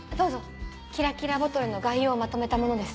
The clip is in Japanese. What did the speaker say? キラキラボトルの概要をまとめたものです。